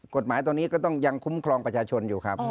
กฎหมายตัวนี้ก็ต้องยังคุ้มครองประชาชนอยู่ครับ